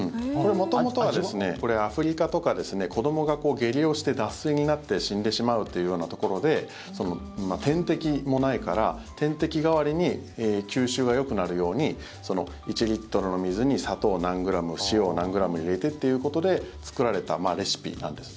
元々は、アフリカとか子どもが下痢をして脱水になって死んでしまうっていうようなところで点滴もないから、点滴代わりに吸収がよくなるように１リットルの水に砂糖何グラム塩を何グラム入れてっていうことで作られたレシピなんです。